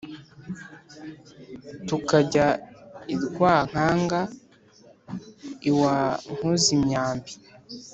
tukajya i rwinkanga iwa nkoze-imyambi,